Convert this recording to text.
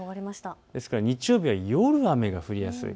ですから日曜日は夜雨が降りやすい。